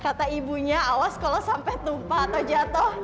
kata ibunya awas kalau sampai tumpah atau jatuh